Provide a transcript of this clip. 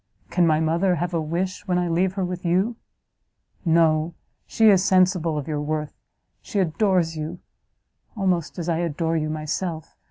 Can my mother have a wish, when I leave her with you? No; she is sensible of your worth, she adores you, almost as I adore you myself!